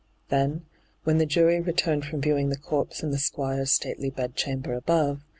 Then, when the jury returned from viewing the corpse in the Squire's stately bed chamber above.